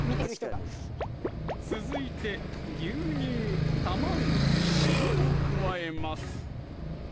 確かに続いて牛乳・卵・塩を加えます